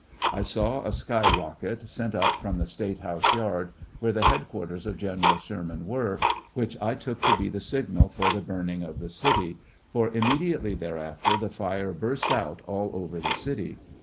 I saw a sky rocket sent up from the State House yard, where the headquarters of General Sherman were, which I took to be the signal 9 for the burning of the city, for immediately thereafter the fire burst out all over the city.